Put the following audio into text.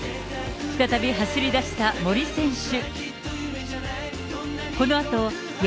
再び走り出した森選手。